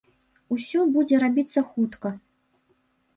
Усё будзе рабіцца хутка.